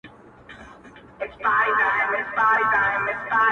سړی خوښ دی چي په لوړ قېمت خرڅېږي,